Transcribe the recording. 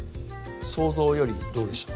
想像よりどうでした？